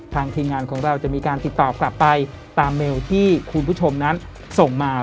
ทีมงานของเราจะมีการติดต่อกลับไปตามเมลที่คุณผู้ชมนั้นส่งมา